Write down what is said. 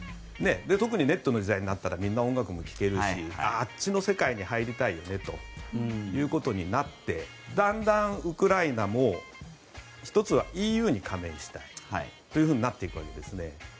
特に、ネットの時代になったらみんな音楽も聴けるしあっちの世界に入りたいよねということになってだんだんウクライナも１つはＥＵに加盟したいとなっていくわけですね。